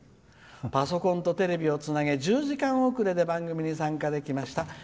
パソコンとテレビをつなぎ１０時間遅れで番組に参加できました。